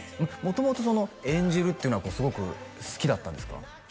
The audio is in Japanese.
もともと演じるっていうのはすごく好きだったんですか？